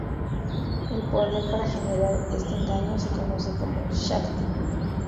El poder para generar este engaño se conoce como Shakti.